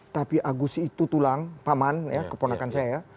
tapi agus itu tulang paman ya keponasi